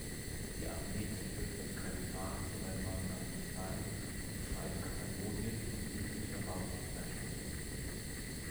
Die Armee zerstörte das Kalifat Sulaiman al-Mustain und befreite Katalonien von jeglicher maurischen Herrschaft.